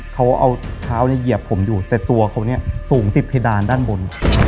เขาเอาเท้าเนี่ยเหยียบผมอยู่แต่ตัวเขาเนี่ยสูงติดเพดานด้านบน